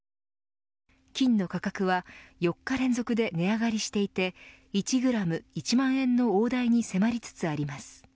金の価格は４日連続で値上がりしていて１グラム１万円の大台に迫りつつあります。